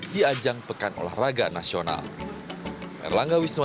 di ajang pekan olahraga nasional